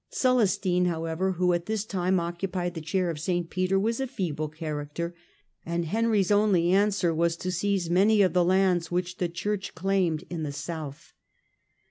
Celestine, however, who at this time occupied the chair of St. Peter, was a feeble character, and Henry's only answer was to seize many of the lands which the Church claimed in the south.